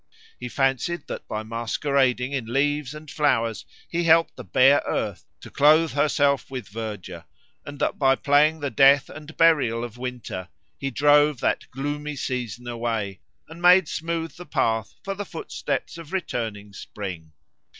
He fancied that by masquerading in leaves and flowers he helped the bare earth to clothe herself with verdure, and that by playing the death and burial of winter he drove that gloomy season away, and made smooth the path for the footsteps of returning spring.